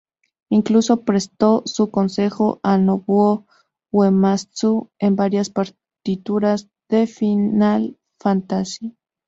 Incluso prestó su consejo a Nobuo Uematsu en varias partituras de Final Fantasy.